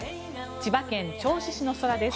千葉県銚子市の空です。